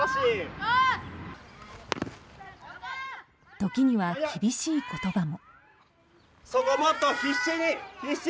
時には厳しい言葉も。